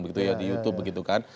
begitu ya di youtube begitu kan